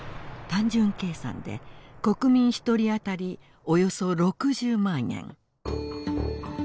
単純計算で国民１人当たりおよそ６０万円。